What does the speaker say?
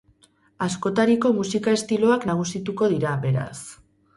Askotariko musika estiloak nagusituko dira, beraz.